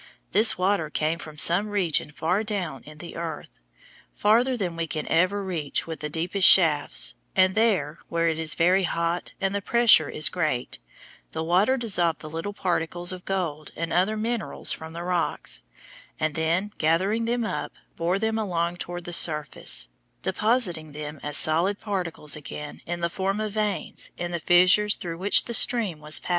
This water came from some region far down in the earth, farther than we can ever reach with the deepest shafts, and there, where it is very hot and the pressure is great, the water dissolved the little particles of gold and other minerals from the rocks; and then, gathering them up, bore them along toward the surface, depositing them as solid particles again in the form of veins in the fissures through which the stream was passing.